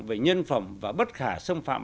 về nhân phẩm và bất khả xâm phạm